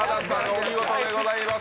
お見事でございます